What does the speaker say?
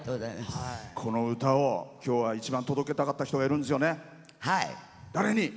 この歌を今日は一番届けたかった人がいるんですよね。